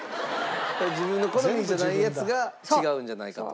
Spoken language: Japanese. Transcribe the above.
自分の好みじゃないやつが違うんじゃないかと？